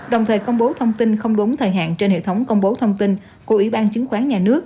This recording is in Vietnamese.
đồng thời công bố thông tin không đúng thời hạn trên hệ thống công bố thông tin của ủy ban chứng khoán nhà nước